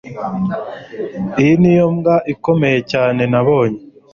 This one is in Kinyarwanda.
Iyi niyo mbwa ikomeye cyane nabonye